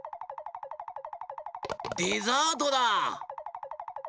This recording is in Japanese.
デザートだ！